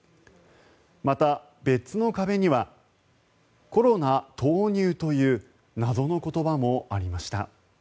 また、別の壁には「コロナ投入」という謎の言葉もありました。